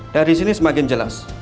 dari sini semakin jelas